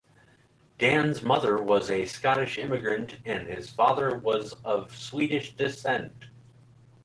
Dan's mother was a Scottish immigrant, and his father was of Swedish descent.